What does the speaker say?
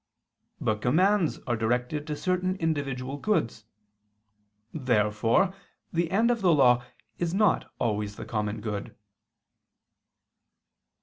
But commands are directed to certain individual goods. Therefore the end of the law is not always the common good.